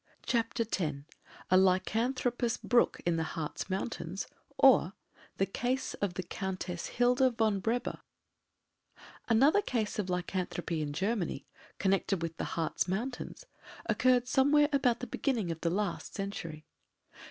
CHAPTER X A LYCANTHROPOUS BROOK IN THE HARZ MOUNTAINS; OR, THE CASE OF THE COUNTESS HILDA VON BREBER Another case of lycanthropy in Germany, connected with the Harz Mountains, occurred somewhere about the beginning of the last century.